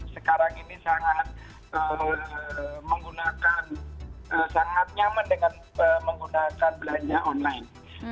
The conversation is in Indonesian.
sekarang ini sangat nyaman dengan menggunakan belanja online